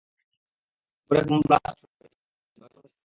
শহরে bomb blast হইছে, নয়জন মানুষ মারা গেছে।